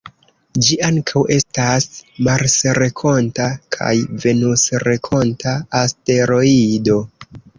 Ĝi ankaŭ estas marsrenkonta kaj venusrenkonta asteroido.